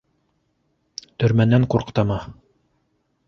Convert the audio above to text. Төрмәнән ҡурҡтымы?